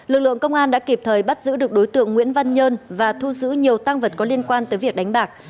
lực lượng công an đã kịp thời bắt giữ được đối tượng nguyễn văn nhơn và thu giữ nhiều tăng vật có liên quan tới việc đánh bạc